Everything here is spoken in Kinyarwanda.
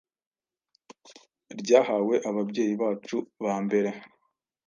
ryahawe ababyeyi bacu ba mbere.